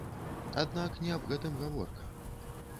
Аднак не аб гэтым гаворка.